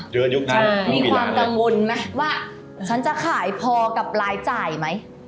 ใช่มีความกังวลแม็คว่าฉันจะขายพอกับรายจ่ายมั้ย